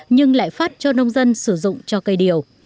nhưng lại phát cho nông dân sử dụng cho cây điều